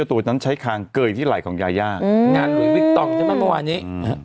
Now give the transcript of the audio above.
ทูตนั้นใช้คางเกยที่ไหล่ของยายาเอออืมงานธุรกิจต่อจะต้องเบ้างี้